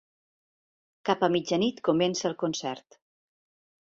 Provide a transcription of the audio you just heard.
Cap a la mitjanit comença el concert.